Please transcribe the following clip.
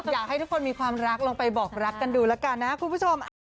อยากให้ทุกคนมีความรักลองไปบอกรักกันดูแล้วกันนะคุณผู้ชม